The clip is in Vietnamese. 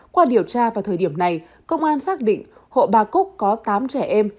qua điều tra vào thời điểm này công an xác định hộ bà cúc có tám trẻ em